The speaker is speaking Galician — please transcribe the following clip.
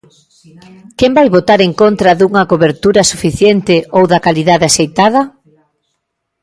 ¿Quen vai votar en contra dunha cobertura suficiente ou da calidade axeitada?